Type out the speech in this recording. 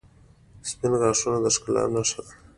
• سپین غاښونه د ښکلا نښه ده.